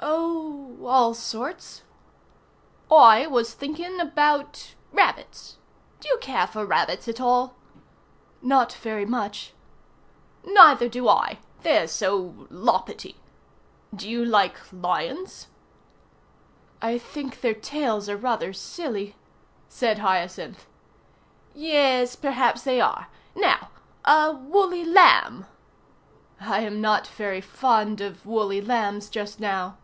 "Oh all sorts." "I was thinking about rabbits. Do you care for rabbits at all?" "Not very much." "Neither do I. They're so loppity. Do you like lions?" "I think their tails are rather silly," said Hyacinth. "Yes, perhaps they are. Now a woolly lamb." "I am not very fond of woolly lambs just now."